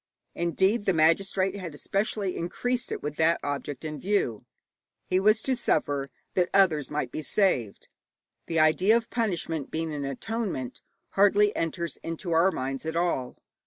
Indeed, the magistrate had especially increased it with that object in view. He was to suffer that others might be saved. The idea of punishment being an atonement hardly enters into our minds at all.